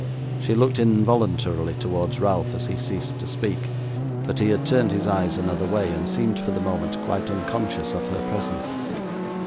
She looked involuntarily towards Ralph as he ceased to speak, but he had turned his eyes another way, and seemed for the moment quite unconscious of her presence.